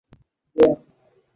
আমারও বাচ্চাকাচ্চা নেই।